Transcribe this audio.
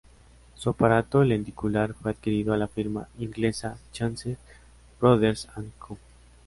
Su aparato lenticular fue adquirido a la firma inglesa Chance Brothers and Co.